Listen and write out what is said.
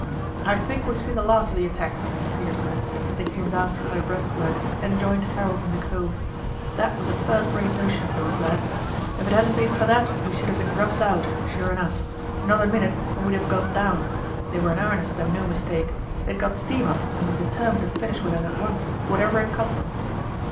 "I think we've seen the last of the attacks," Peter said, as they came down from their breastwork and joined Harold in the cove. "That was a first rate notion of yours, lad. Ef it hadn't been for that we should have been rubbed out, sure enough; another minute and we'd have gone down. They were in arnest and no mistake; they'd got steam up and was determined to finish with us at once, whatever it cost 'em."